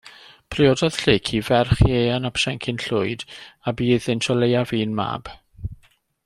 Priododd Lleucu ferch Ieuan ap Siencyn Llwyd a bu iddynt o leiaf un mab.